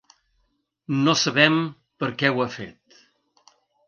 No sabem per què ho ha fet.